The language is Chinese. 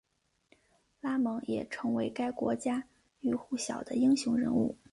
拉蒙也成为该国家喻户晓的英雄人物。